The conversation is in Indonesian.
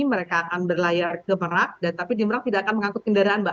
mereka akan berlayar ke merak tapi di merak tidak akan mengangkut kendaraan mbak